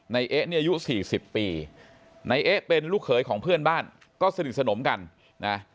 เอ๊ะเนี่ยอายุสี่สิบปีนายเอ๊ะเป็นลูกเขยของเพื่อนบ้านก็สนิทสนมกันนะ